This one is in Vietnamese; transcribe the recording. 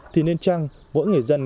thì nên chăng mỗi người dân